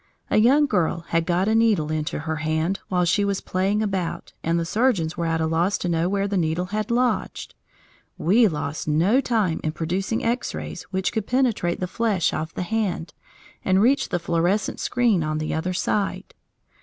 A young girl had got a needle into her hand while she was playing about, and the surgeons were at a loss to know where the needle had lodged. We lost no time in producing X rays which could penetrate the flesh of the hand, and reach the fluorescent screen on the other side.